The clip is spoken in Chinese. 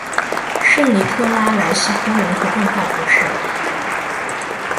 圣尼科拉莱西托人口变化图示